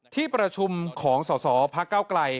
ที่ประชุมของสสพก